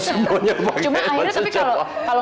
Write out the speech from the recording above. cuma akhirnya tapi kalau